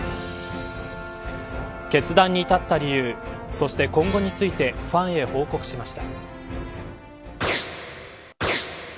決断に至った理由そして、今後についてファンへ報告しました。